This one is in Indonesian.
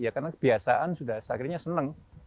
karena kebiasaan akhirnya sudah senang